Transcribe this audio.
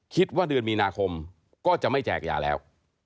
คิดว่าเดือนมีนาคมก็จะไม่แจกยาแล้ว